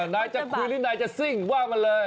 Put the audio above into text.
นายจะคุยหรือนายจะซิ่งว่ามันเลย